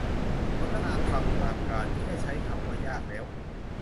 สนทนาธรรมตามกาล แค่ใช้คำก็ยากแล้ว